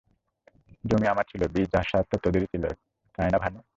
জমি আমার ছিলো, বীজ আর সার তো তাদের-ই ছিলো, তাই না ভানু!